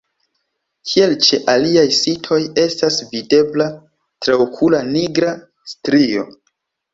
Kiel ĉe aliaj sitoj estas videbla traokula nigra strio.